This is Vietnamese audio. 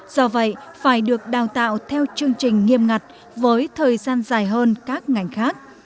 do vậy phải được đào tạo theo chương trình nghiêm ngặt với thời gian dài hơn các ngành khác